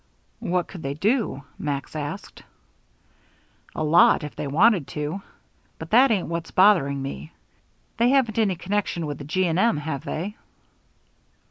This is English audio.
"What could they do?" Max asked. "A lot, if they wanted to. But that ain't what's bothering me. They haven't any connection with the G. & M., have they?"